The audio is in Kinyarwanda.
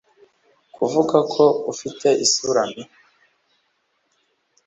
Kuvuga ko ufite isura mbi